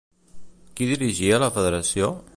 Qui dirigia la Federació?